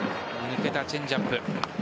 抜けたチェンジアップ。